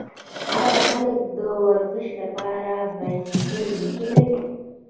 آیا خلک د ورزش لپاره بایسکل نه چلوي؟